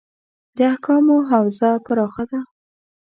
د احکامو حوزه پراخه ده.